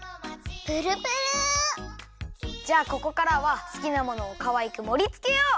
じゃあここからは好きなものをかわいくもりつけよう！